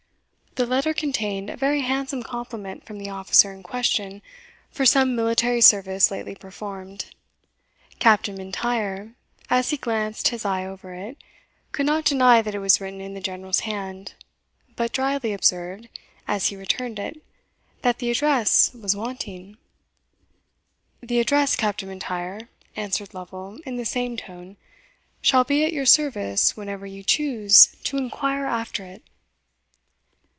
The letter contained a very handsome compliment from the officer in question for some military service lately performed. Captain M'Intyre, as he glanced his eye over it, could not deny that it was written in the General's hand, but drily observed, as he returned it, that the address was wanting. "The address, Captain M'Intyre," answered Lovel, in the same tone, "shall be at your service whenever you choose to inquire after it!"